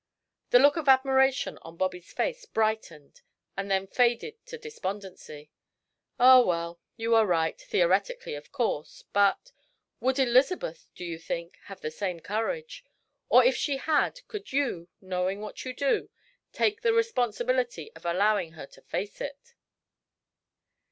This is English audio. The look of admiration on Bobby's face brightened and then faded to despondency. "Ah, well, you are right theoretically, of course, but would Elizabeth, do you think, have the same courage? Or, if she had, could you, knowing what you do, take the responsibility of allowing her to face it?"